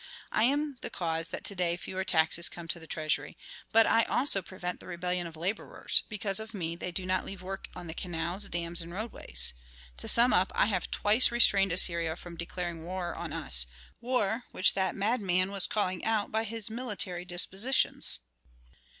I am the cause that to day fewer taxes come to the treasury, but I also prevent the rebellion of laborers; because of me they do not leave work on the canals, dams, and roadways. To sum up, I have twice restrained Assyria from declaring war on us, war which that madman was calling out by his military dispositions.